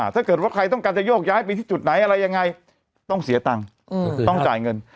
ถ้าเกิดว่าใครต้องการจะโยกย้ายไปที่จุดไหนอะไรยังไงต้องเสียตังค์ต้องจ่ายเงิน